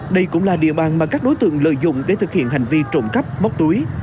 đây cũng là địa bàn mà các đối tượng lợi dụng để thực hiện hành vi trộm cắp móc túi